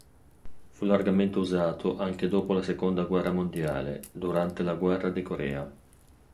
Fu largamente usato anche dopo la seconda guerra mondiale durante la Guerra di Corea.